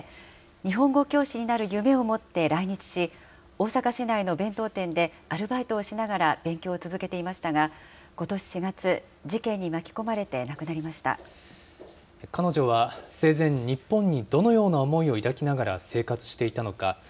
日本語教師になる夢を持って来日し、大阪市内の弁当店でアルバイトをしながら勉強を続けていましたが、ことし４月、事件に巻き込彼女は生前、日本にどのような思いを抱きながら生活していたのか。